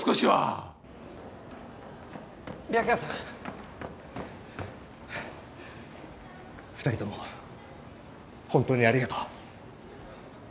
はぁ２人共本当にありがとう。